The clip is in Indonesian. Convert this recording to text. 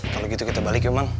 kalau gitu kita balik yuk emang